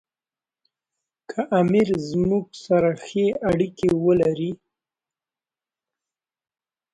که امیر زموږ سره ښې اړیکې ولري.